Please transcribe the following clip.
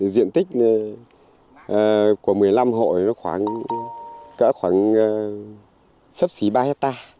diện tích của một mươi năm hộ nó khoảng sấp xí ba hectare